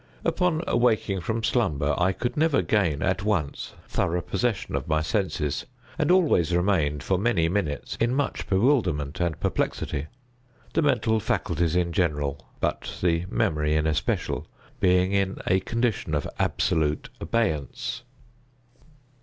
Upon awaking from slumber, I could never gain, at once, thorough possession of my senses, and always remained, for many minutes, in much bewilderment and perplexity—the mental faculties in general, but the memory in especial, being in a condition of absolute abeyance.